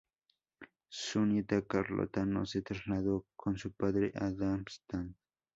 Su nieta Carlota no se trasladó con su padre a Darmstadt.